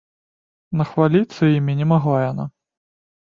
Нахваліцца імі не магла яна.